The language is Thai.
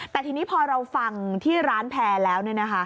แต่ทีนี้พอเราฟังที่ร้านแพร่แล้ว